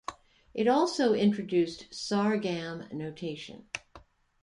It also introduced sargam notation.